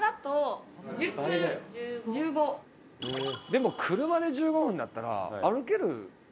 でも車で１５分だったら歩ける。